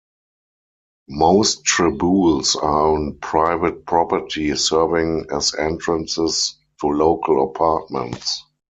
Most traboules are on private property, serving as entrances to local apartments.